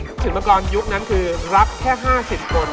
ถึงเมื่อก่อนยุคนั้นคือรักแค่๕๐คน